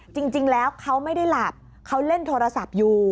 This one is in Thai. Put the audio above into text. จริงแล้วเขาไม่ได้หลับเขาเล่นโทรศัพท์อยู่